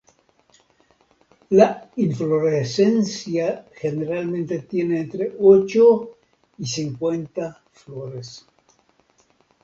La inflorescencia generalmente tiene entre ocho y cincuenta flores.